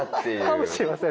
かもしれませんね。